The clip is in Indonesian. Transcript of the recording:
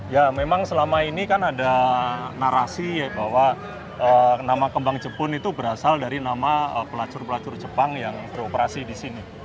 ya memang selama ini kan ada narasi bahwa nama kembang jepun itu berasal dari nama pelacur pelacur jepang yang beroperasi di sini